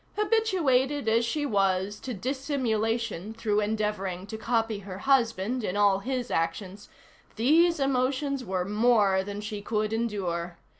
Habituated as she was to dissimulation through endeavoring to copy her husband in all his actions, these emotions were more than she could endure.